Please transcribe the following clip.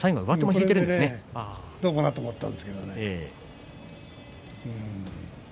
これで、どうかなと思ったんですけれどもね。